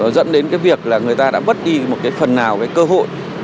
dẫn đến việc người ta đã bất đi một phần nào cơ hội